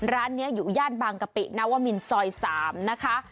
ร้านนี้อยู่ย่านบางกะปินวมินซอย๓นะคะ